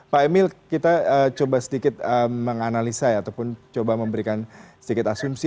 pak emil kita coba sedikit menganalisa ataupun coba memberikan sedikit asumsi